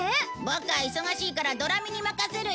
ボクは忙しいからドラミに任せるよ